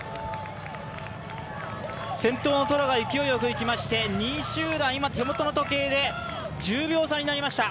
先頭のトラが勢いよくいきまして、２位集団、今、手元の時計で１０秒差になりました。